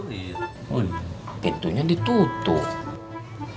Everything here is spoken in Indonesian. wih pintunya ditutup